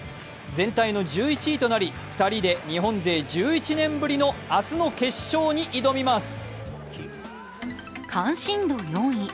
全体の１１位となり、２人で日本勢１１年ぶりの明日の決勝に挑みます。